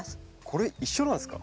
これ一緒なんですか？